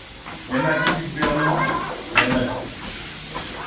Même avis du Gouvernement ? Même avis.